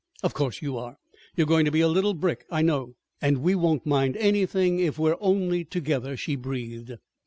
"Of course you are. You're going to be a little brick. I know." "And we won't mind anything if we're only together," she breathed.